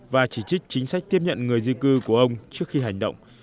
và chỉ trích chính sách tiếp nhận người di cư của ông trước khi hành động